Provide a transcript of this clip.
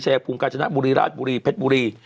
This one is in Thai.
ชายภูมิกาญจนบุรีราชบุรีเพชรบุรี